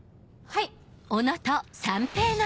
はい。